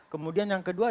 kemudian yang kedua